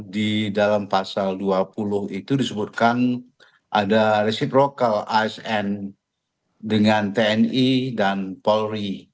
di dalam pasal dua puluh itu disebutkan ada resip rokal asn dengan tni dan polri